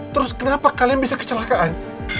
terus kenapa kalian bisa kecelakaan